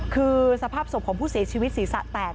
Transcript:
คือสภาพศพของผู้เสียชีวิตศีรษะแตก